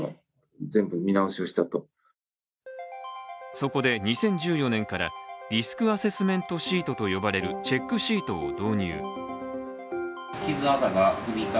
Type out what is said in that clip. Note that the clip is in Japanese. そこで２０１４年からリスクアセスメントシートと呼ばれるチェックシートを導入。